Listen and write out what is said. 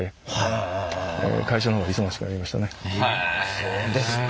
そうですか。